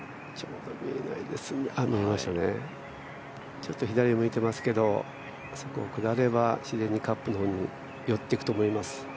ちょっと左向いてますけれどもそこを下れば、自然にカップの方に寄っていくと思います。